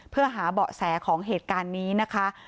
เพื่อหาเบาะแสของเหตุการณ์นี้นะคะ